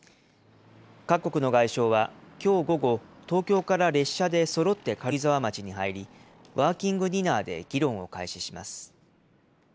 各国の外相はきょう午後、東京から列車でそろって軽井沢町に入り、ワーキングディナーで議論を開始します。